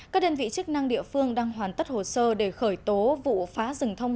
các đơn vị chức năng địa phương đang hoàn tất hồ sơ để khởi tố vụ phá rừng thông